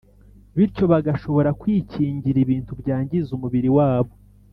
bityo bagashobora kwikingira ibintu byangiza umubiri wabo